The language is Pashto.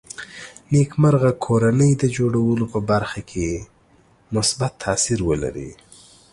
نېکمرغه کورنۍ د جوړولو په برخه کې مثبت تاثیر ولري